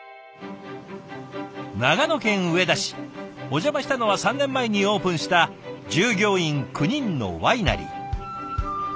お邪魔したのは３年前にオープンした従業員９人のワイナリー。